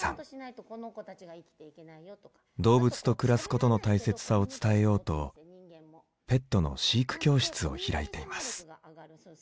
動物と暮らすことの大切さを伝えようとペットの飼育教室を開いています。